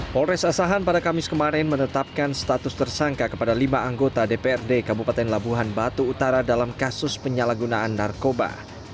polres asahan pada kamis kemarin menetapkan status tersangka kepada lima anggota dprd kabupaten labuhan batu utara dalam kasus penyalahgunaan narkoba